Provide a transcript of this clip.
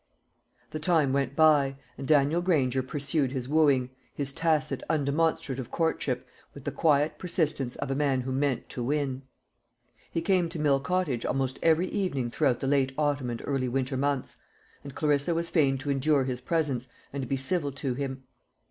The time went by, and Daniel Granger pursued his wooing, his tacit undemonstrative courtship, with the quiet persistence of a man who meant to win. He came to Mill Cottage almost every evening throughout the late autumn and early winter months, and Clarissa was fain to endure his presence and to be civil to him.